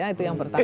itu yang pertama